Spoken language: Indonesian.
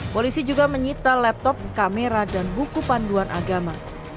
polisi juga menyita laptop kamera dan buku panduan agama